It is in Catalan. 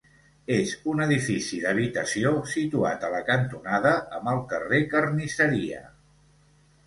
És un edifici d'habitació situat a la cantonada amb el carrer Carnisseria.